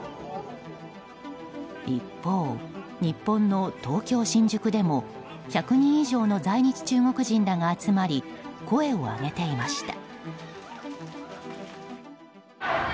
一方、日本の東京・新宿でも１００人以上の在日中国人らが集まり声を上げていました。